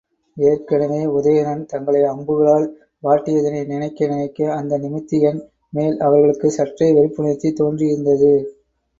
ஏற்கெனவே உதயணன் தங்களை அம்புகளால் வாட்டியதனை நினைக்க நினைக்க அந்த நிமித்திகன்மேல் அவர்களுக்குச் சற்றே வெறுப்புணர்ச்சி தோன்றியிருந்தது.